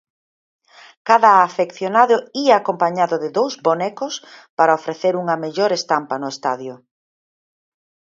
Cada afeccionado ía acompañado de dous bonecos para ofrecer unha mellor estampa no estadio.